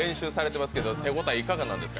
手応えはいかがですか。